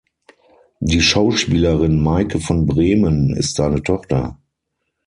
Die Schauspielerin Maike von Bremen ist seine Tochter.